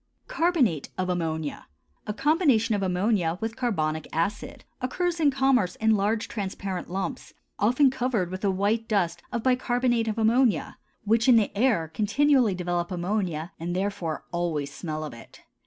CARBONATE OF AMMONIA, a combination of ammonia with carbonic acid, occurs in commerce in large transparent lumps, often covered with a white dust of bicarbonate of ammonia, which in the air continually develop ammonia and therefore always smell of it.